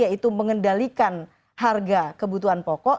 yaitu mengendalikan harga kebutuhan pokok